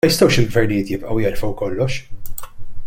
Ma jistgħux il-gvernijiet jibqgħu jerfgħu kollox!